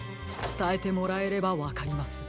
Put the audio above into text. つたえてもらえればわかります。